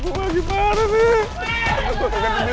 aku lagi di duit lagi lagi tanpa rasa